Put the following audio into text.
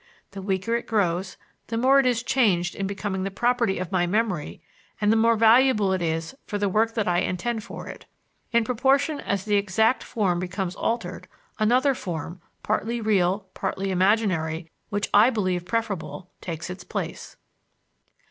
The weaker it grows, the more is it changed in becoming the property of my memory and the more valuable is it for the work that I intend for it. In proportion as the exact form becomes altered, another form, partly real, partly imaginary, which I believe preferable, takes its place."